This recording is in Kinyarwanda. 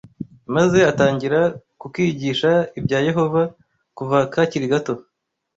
maze atangira kukigisha ibya Yehova kuva kakiri gato